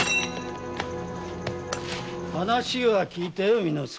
話は聞いたよ巳之助。